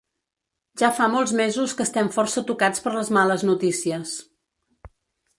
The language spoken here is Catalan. Ja fa molts mesos que estem força tocats per les males notícies.